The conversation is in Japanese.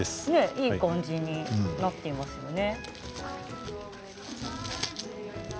いい感じになっていますよね。